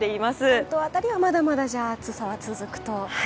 関東辺りはまだまだ暑さが続くと。